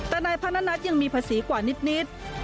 แต่นายพนัทยังมีภาษีกว่านิด